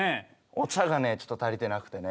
お茶がねちょっと足りてなくてね。